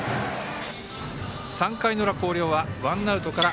３回の裏、広陵はワンアウトから。